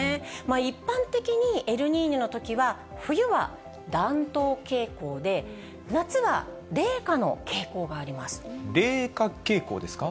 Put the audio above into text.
一般的にエルニーニョのときは、冬は暖冬傾向で、冷夏傾向ですか。